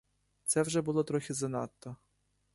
Це вже було трохи занадто!